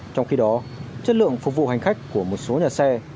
trong khi đó chất lượng phục vụ hành khách của một số nhà xe